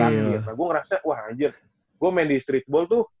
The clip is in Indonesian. gua ngerasa wah anjir gua main di streetball tuh